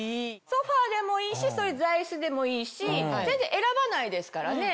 ソファでもいいしそういう座椅子でもいいし全然選ばないですからね。